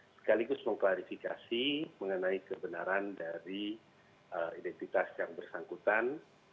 sekaligus mengklarifikasi mengenai kebenaran dari identitas yang bersangkutan